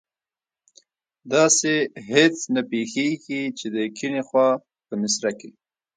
داسې هېڅ نه پیښیږي چې د کیڼي خوا په مصره کې.